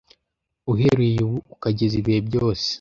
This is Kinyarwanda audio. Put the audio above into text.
uhereye ubu ukageza ibihe byose